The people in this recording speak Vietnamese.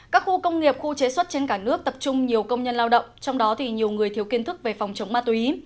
các khu công nghiệp khu chế xuất trên cả nước tập trung nhiều công nhân lao động trong đó thì nhiều người thiếu kiến thức về phòng chống ma túy